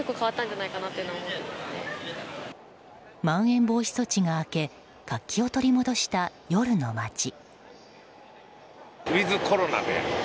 まん延防止措置が明け活気を取り戻した夜の街。